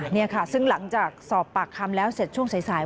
นี่ค่ะซึ่งหลังจากสอบปากคำแล้วเสร็จช่วงสาย